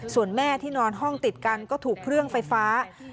ส่วนแม่ที่นอนห้องติดกันก็ถูกเครื่องไฟฟ้า